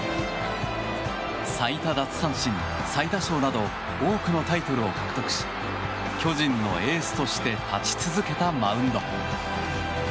最多奪三振、最多勝など多くのタイトルを獲得し巨人のエースとして立ち続けたマウンド。